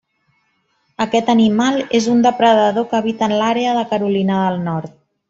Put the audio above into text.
Aquest animal és un depredador que habita en l'àrea de Carolina del Nord.